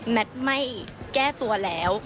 แมทไม่แก้ตัวแล้ว